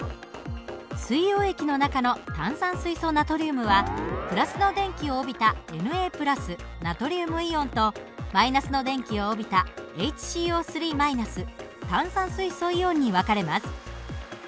水溶液の中の炭酸水素ナトリウムは＋の電気を帯びたＮａナトリウムイオンと−の電気を帯びたＨＣＯ炭酸水素イオンに分かれます。